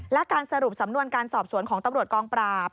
และการสรุปสำนวนการสอบสวนของตำรวจกองปราบ